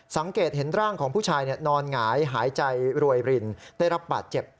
สังเกตเห็นร่างของผู้ชายนอนหงายหายใจรวยรินได้รับบาดเจ็บ